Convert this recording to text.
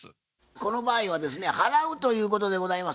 この場合はですね払うということでございます。